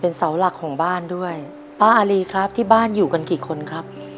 เสาหลักของบ้านด้วยป้าอารีครับที่บ้านอยู่กันกี่คนครับ